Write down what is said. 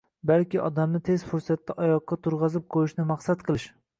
balki odamni tez fursatda oyoqqa turg‘azib qo‘yishni maqsad qilish;